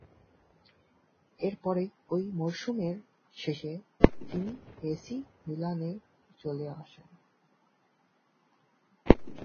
এরপরেই ওই মরসুমের শেষে তিনি এ সি মিলানে চলে আসেন।